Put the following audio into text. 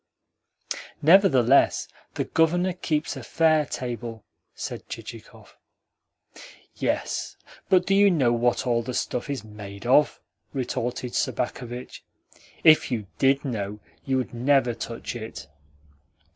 "Nevertheless the Governor keeps a fair table," said Chichikov. "Yes, but do you know what all the stuff is MADE OF?" retorted Sobakevitch. "If you DID know you would never touch it."